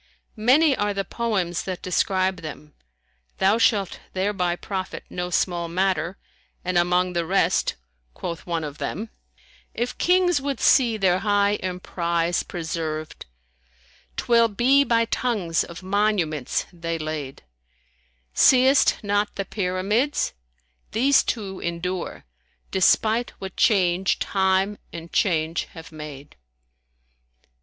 Many are the poems that describe them, thou shalt thereby profit no small matter, and among the rest, quoth one of them, "If Kings would see their high emprize preserved, * Twill be by tongues of monuments they laid: Seest not the Pyramids? These two endure * Despite what change Time and Change have made."